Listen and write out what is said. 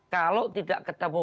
kalau tidak ketemu